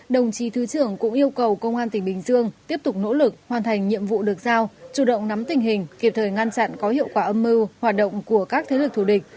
đồng chí thứ trưởng cũng yêu cầu công an tỉnh bình dương tiếp tục nỗ lực hoàn thành nhiệm vụ được giao chủ động nắm tình hình kịp thời ngăn chặn có hiệu quả âm mưu hoạt động của các thế lực thù địch